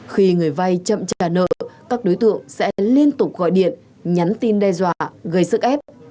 khi người vay chậm trả nợ các đối tượng sẽ liên tục gọi điện nhắn tin đe dọa gây sức ép